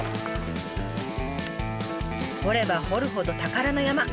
掘れば掘るほど宝の山。